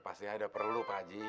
pastinya ada perlu pak haji